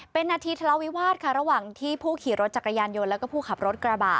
เป็นนาทีทะเลาวิวาสค่ะระหว่างที่ผู้ขี่รถจักรยานยนต์แล้วก็ผู้ขับรถกระบะ